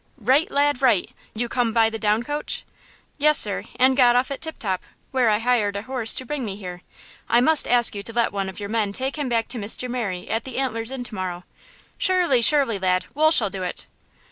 "Right, lad, right! You come by the down coach?" "Yes, sir, and got off at Tip Top, where I hired a horse to bring me here. I must ask you to let one of your men take him back to Mr. Merry at the Antler's Inn to morrow." "Surely, surely, lad! Wool shall do it!"